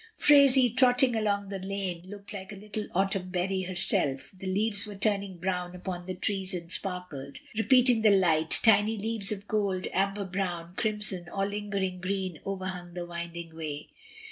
Phraisie, trotting along the lane, looked like a little autumn berry herself. The leaves were turning brown upon the trees and sparkled, repeating the light; tiny leaves of gold, amber brown, crimson, or lingering green overhung the winding way.